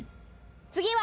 次は。